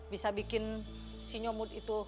bisa bikin si nyomud itu